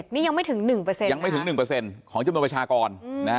๐๗๗นี่ยังไม่ถึง๑ของจำนวนประชากร